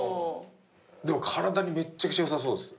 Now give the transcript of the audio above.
でも体にめっちゃくちゃ良さそうです。